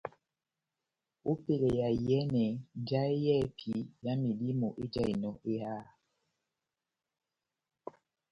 Ópɛlɛ ya iyɛ́nɛ njahɛ yɛ́hɛ́pi ya medímo ejahinɔ eháha.